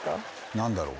何だろう。